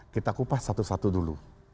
kita kupas satu satu dulu